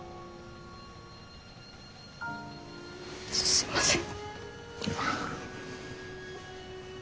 すいません。